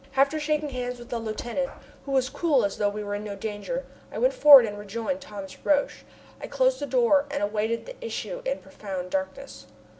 After shaking hands with the lieutenant, who was as cool as though we were in no danger, I went forward and rejoined Thomas Roch. I closed the door and awaited the issue in profound darkness.